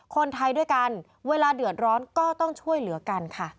คนไทยด้วยกันเวลาเดือดร้อนก็ต้องช่วยเหลือกันค่ะ